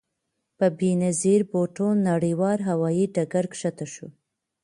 په بې نظیر بوټو نړیوال هوايي ډګر کښته شوو.